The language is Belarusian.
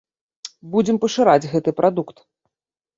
Будзем пашыраць гэты прадукт.